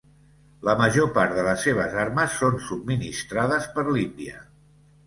La major part de les seves armes són subministrades per l'Índia.